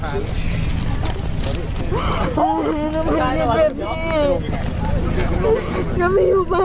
ขอโทษนะ